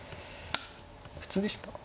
普通でしたか。